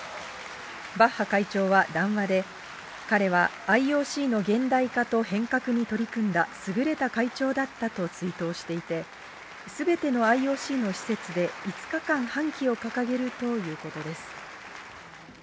バッハ会長は談話で、彼はＩＯＣの現代化と変革に取り組んだ優れた会長だったと追悼していて、すべてのＩＯＣの施設で５日間、半旗を掲げるということです。